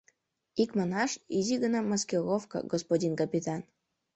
Икманаш, изи гына маскировка, господин капитан.